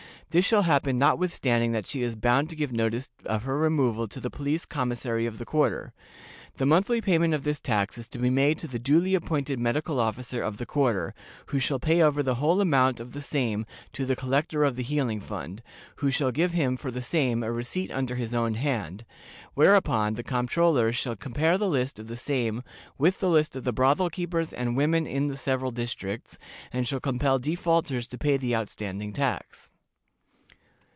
This shall happen notwithstanding that she is bound to give notice of her removal to the police commissary of the quarter. The monthly payment of this tax is to be made to the duly appointed medical officer of the quarter, who shall pay over the whole amount of the same to the collector of the healing fund, who shall give him for the same a receipt under his own hand; whereupon the comptroller shall compare the list of the same with the list of the brothel keepers and women in the several districts, and shall compel defaulters to pay the outstanding tax.